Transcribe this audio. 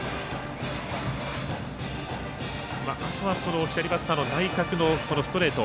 あとは左バッターの内角のストレート。